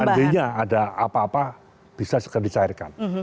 pos anggaranya ada apa apa bisa segera dicairkan